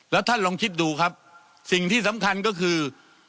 แล้วท่านลองคิดดูครับสิ่งที่สำคัญก็คือ